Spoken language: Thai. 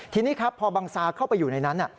ทีนี้ครับพอบังซาเข้าไปอยู่ในนั้น